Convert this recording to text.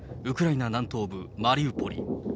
ウクライナ南東部マリウポリ。